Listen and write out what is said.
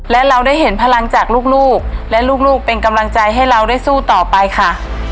และเราได้เห็นพลังจากลูกและลูกเป็นกำลังใจให้เราได้สู้ต่อไปค่ะ